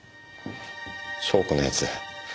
湘子の奴